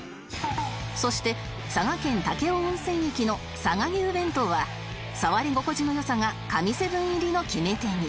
そして佐賀県武雄温泉駅の佐賀牛弁当は触り心地の良さが紙７入りの決め手に